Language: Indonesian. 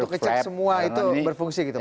untuk kecek semua itu berfungsi gitu pak